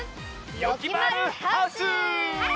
「よきまるハウス」！